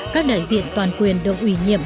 các đại diện toàn quyền được ủy nhiệm